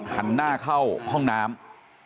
หันหน้าเข้าห้องน้ำ